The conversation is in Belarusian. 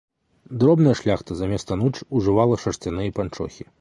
Дробная шляхта замест ануч ужывала шарсцяныя панчохі.